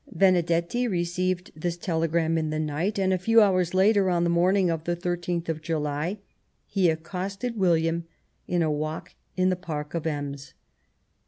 Benedetti received this telegram in the night, and a few hours later, on the morning of the 13th of July, he accosted William in a walk in the Park of Ems.